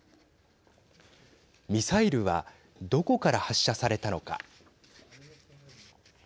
ミサイルはどこから発射されたのか。